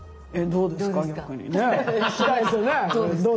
どうですか？